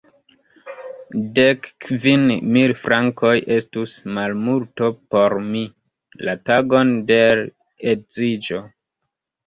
Dek kvin mil frankoj estus malmulto por mi, la tagon de l' edziĝo.